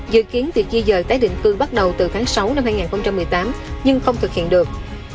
dự kiến việc di dời tái định cư bắt đầu từ tháng sáu năm hai nghìn một mươi tám nhưng không thực hiện được